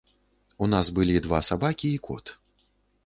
У нас былі два сабакі і кот.